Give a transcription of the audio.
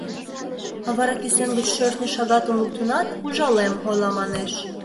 А вара кӱсен гыч шӧртньӧ шагатым луктынат, ужалем, ойла манеш.